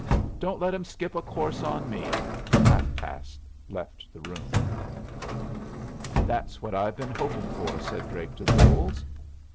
"Don't let 'em skip a course on me." Half past left the room. "That's what I have been hoping for," said Drake to Bolles.